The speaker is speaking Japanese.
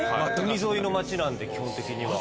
海沿いの街なんで基本的には。